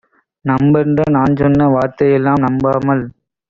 நம்பென்று நான்சொன்ன வார்த்தையெல்லாம் நம்பாமல்